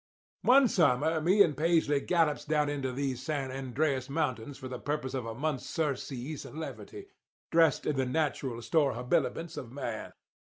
"One summer me and Paisley gallops down into these San Andrés mountains for the purpose of a month's surcease and levity, dressed in the natural store habiliments of man.